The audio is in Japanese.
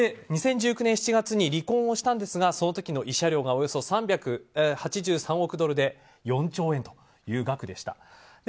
２０１９年７月に離婚したんですがその時の慰謝料が３８３億ドルで４兆円という額でした。